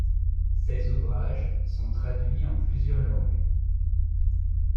Ses ouvrages sont traduits en plusieurs langues.